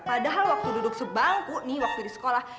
padahal waktu duduk sebangku nih waktu di sekolah